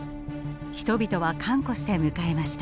人々は歓呼して迎えました。